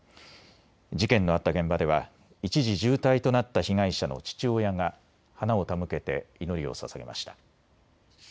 事件のあった現場では一時重体となった被害者の父親が花を手向けて祈りをささげました。